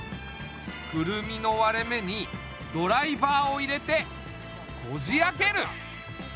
クルミの割れ目にドライバーを入れてこじ開ける。